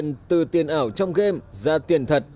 người chơi lại có thể đổi tiền từ tiền ảo trong game ra tiền thật